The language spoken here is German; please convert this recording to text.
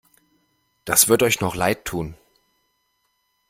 Das wird euch noch leidtun!